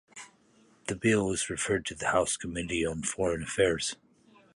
The bill was referred to the House Committee on Foreign Affairs.